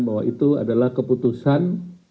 bahwa itu adalah keputusan